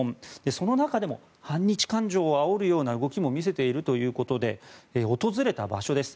その中でも、反日感情をあおるような動きも見せているということで訪れた場所です。